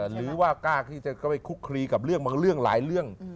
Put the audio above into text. หรือว่ากล้าที่จะเข้าไปคุกคลีกับเรื่องบางเรื่องหลายเรื่อง